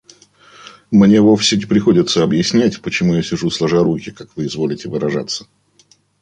Мне вовсе не приходится объяснять почему я сижу сложа руки, как вы изволите выражаться.